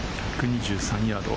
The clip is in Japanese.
１２３ヤード。